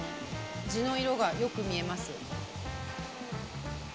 地の色がよく見えます。